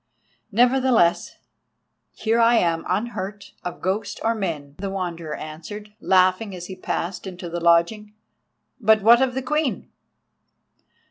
"Nevertheless, here I am unhurt, of ghost or men," the Wanderer answered, laughing, as he passed into the lodging. "But what of the Queen?"